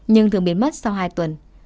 nhưng thường biến mất sau hai tuần